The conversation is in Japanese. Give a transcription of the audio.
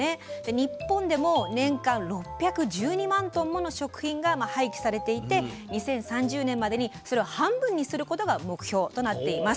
日本でも年間６１２万トンもの食品が廃棄されていて２０３０年までにそれを半分にすることが目標となっています。